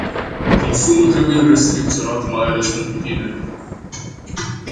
Consumul trebuie restricționat mai ales pentru tineri.